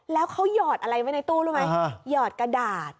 แล้วเขาหยอดอะไรไว้ในตู้รู้ไหมหยอดกระดาษ